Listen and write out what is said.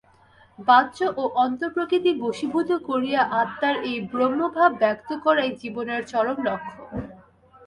বাহ্য ও অন্তঃপ্রকৃতি বশীভূত করিয়া আত্মার এই ব্রহ্মভাব ব্যক্ত করাই জীবনের চরম লক্ষ্য।